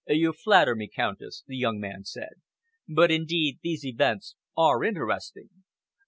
"You flatter me, Countess," the young man said, "but indeed these events are interesting.